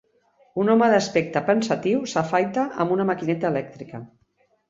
Un home d'aspecte pensatiu s'afaita amb una maquineta elèctrica.